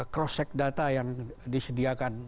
cross check data yang disediakan